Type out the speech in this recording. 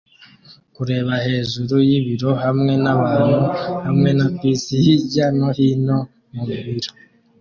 Kureba hejuru yibiro hamwe nabantu hamwe na PC hirya no hino mubiro